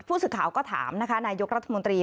ผู้สื่อข่าวก็ถามนะคะนายกรัฐมนตรี